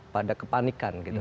pada kepanikan gitu